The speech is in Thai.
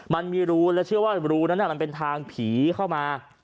มันมีรูและเชื่อว่ารูนั้นมันเป็นทางผีเข้ามา